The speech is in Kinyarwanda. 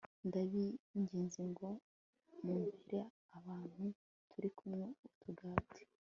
ndabinginze ngo mumpere abantu turi kumwe utugati